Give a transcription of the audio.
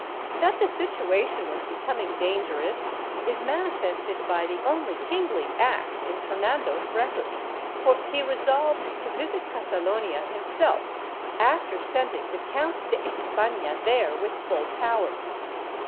^ That the situation was becoming dangerous is manifested by the only kingly act in Fernando's record, for he resolved to visit Catalonia himself, after sending the Count de Espafia there with full powers.